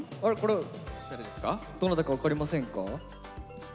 どなたか分かりませんか？